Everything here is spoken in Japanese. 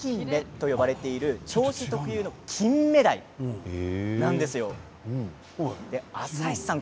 銚子つりきんめと呼ばれている銚子特有のキンメダイなんですよ。